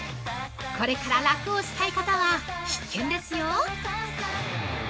これから楽をしたい方は必見ですよ！